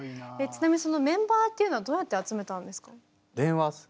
ちなみにそのメンバーっていうのはどうやって集めたんですか？